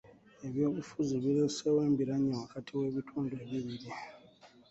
Ebyobufuzi bireesewo embiranye wakati w'ebitundu ebibiri.